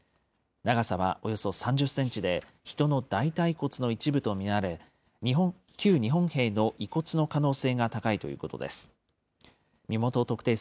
長さはおよそ３０センチで、人の大たい骨の一部と見られ、旧日本兵の遺骨の可能性が高いということです。